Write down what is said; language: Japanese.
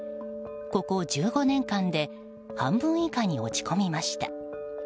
ここ１５年間で半分以下に落ち込みました。